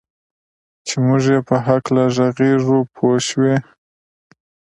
چې موږ یې په هکله ږغېږو پوه شوې!.